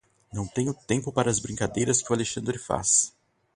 Não tenho tempo para as brincadeiras que o Alexandre faz.